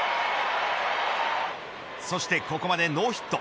そしてここまでノーヒット。